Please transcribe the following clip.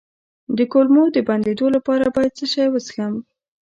د کولمو د بندیدو لپاره باید څه شی وڅښم؟